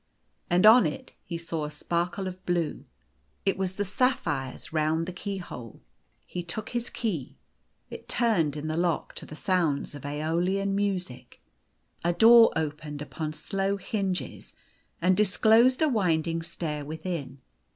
And on it he saw a sparkle of blue. It was the sapphires round the keyhole. He took his key. It turned in the lock to the sounds of ^Eolian music. A door opened upon slow hinges, and disclosed a winding stair within.